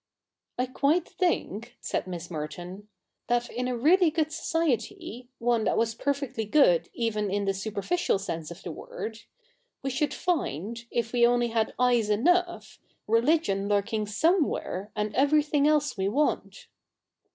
' I quite think,' said ]Miss Merton, ' that in a really good society — one that was perfectly good even in the superficial sense of the word — we should find, if we only had eyes enough, religion lurking somewhere, and ever}' thing else we want.'